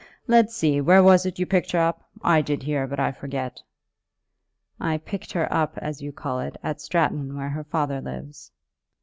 "Let's see; where was it you picked her up? I did hear, but I forget." "I picked her up, as you call it, at Stratton, where her father lives."